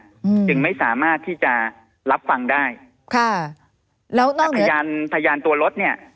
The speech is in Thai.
อืมจึงไม่สามารถที่จะรับฟังได้ค่ะแล้วแต่พยานพยานตัวรถเนี้ย